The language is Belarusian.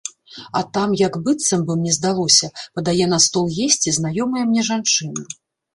А там як быццам бы, мне здалося, падае на стол есці знаёмая мне жанчына.